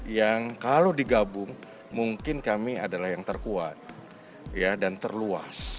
yang kalau digabung mungkin kami adalah yang terkuat dan terluas